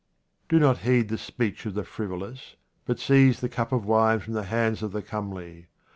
Do not heed the speech of the frivolous, but seize the cup of wine from the hands of the comely.